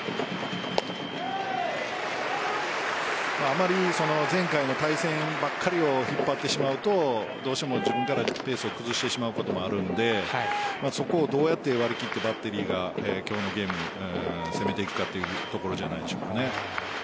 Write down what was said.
あまり前回の対戦ばっかりを引っ張ってしまうとどうしても自分からペースを崩してしまうこともあるのでそこをどうやって割り切ってバッテリーが今日のゲーム攻めていくかというところじゃないでしょうかね。